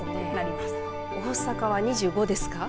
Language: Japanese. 大阪は２５ですか。